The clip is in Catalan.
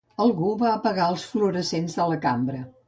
Algú va apagar els fluorescents de la cambra.